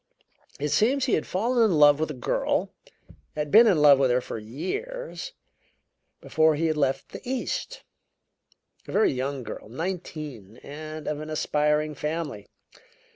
It seems he had fallen in love with a girl had been in love with her for years before he had left the East; a very young girl, nineteen, and of an aspiring family.